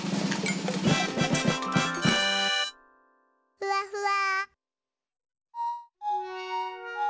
ふわふわ。